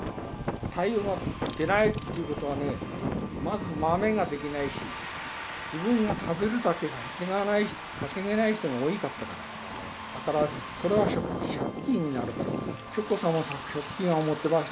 太陽が出ないっていうことはねまず豆ができないし自分が食べるだけ稼げない人が多いかったからだからそれは借金になるから直行さんは借金は持ってました。